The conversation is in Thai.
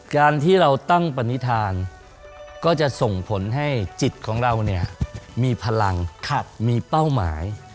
การที่เราตั้งปณิธานก็จะส่งผลให้จิตของเราเนี่ยมีพลังมีเป้าหมาย